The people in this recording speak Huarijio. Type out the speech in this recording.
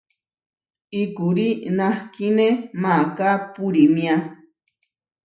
Ikurí nahkíne maaká purímia.